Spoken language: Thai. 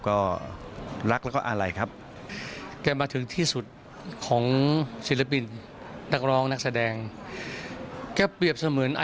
ก็รักแล้วก็อาลัยครับ